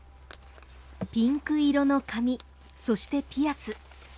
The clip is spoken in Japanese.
ピンク色の髪そしてピアス。